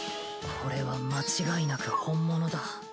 これは間違いなく本物だ。